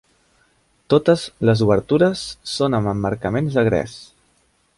Totes les obertures són amb emmarcaments de gres.